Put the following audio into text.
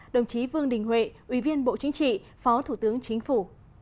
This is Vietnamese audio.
đồng chí vương đình huệ ủy viên bộ chính trị phó thủ tướng chính phủ